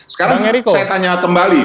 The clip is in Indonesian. sekarang saya tanya kembali